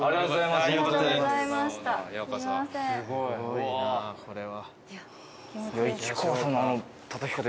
すごいなこれは。